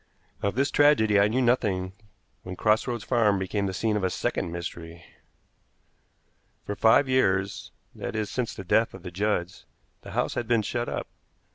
Of this tragedy I knew nothing when Cross Roads Farm became the scene of a second mystery. For five years that is, since the death of the Judds the house had been shut up.